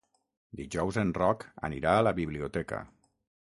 Dijous en Roc anirà a la biblioteca.